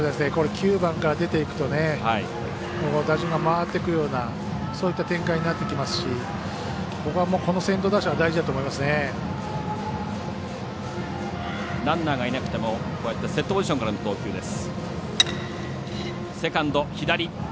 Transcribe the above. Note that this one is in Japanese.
９番から出ていくと打順が回ってくような展開になっていきますしこの先頭打者はランナーがいなくてもセットポジションからの投球です。